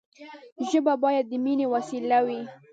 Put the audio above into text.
ژبه باید د ميني وسیله وي.